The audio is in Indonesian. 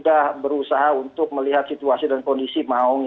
sudah berusaha untuk melihat situasi dan kondisi maung ini